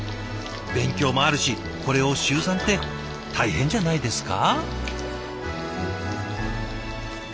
勉強もあるしこれを週３って大変じゃないですか？